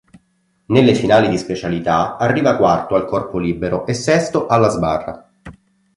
Nelle finali di specialità arriva quarto al corpo libero e sesto alla sbarra.